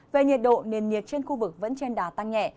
về nhiệt độ nền nhiệt trên khu vực vẫn trên đà tăng nhẹ